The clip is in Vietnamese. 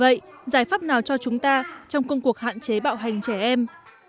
vậy giải pháp nào cho chúng ta trong công cuộc hạn chế bạo hành trẻ em